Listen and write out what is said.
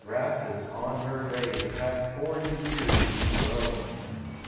grasses on her grave Have forty years been growing!